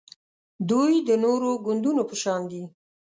دوی د نورو ګوندونو په شان دي